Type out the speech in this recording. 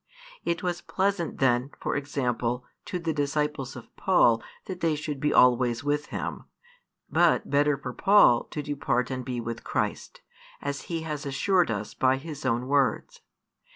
It was pleasant then, for example, to the disciples of Paul that they should be always with him, but better for Paul to depart and be with Christ, as he has assured us by his own words.